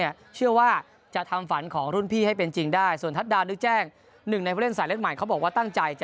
ยืนยันว่าจะเล่นกันต่อ